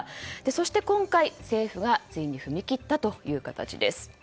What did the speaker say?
そして、今回政府がついに踏み切ったという形です。